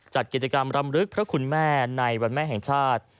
จัดกิจกรรมรำลึกพระคุณแม่ในวันแม่แห่งชาติ